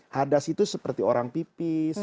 hadas itu seperti orang pipis